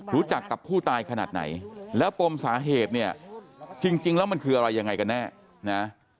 รู้จักกับผู้ตายขนาดไหนแล้วปมสาเหตุเนี่ยจริงแล้วมันคืออะไรยังไงกันแน่นะ